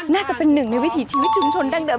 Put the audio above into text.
น่าจะเป็นหนึ่งในวิถีชีวิตชุมชนดั้งเดิม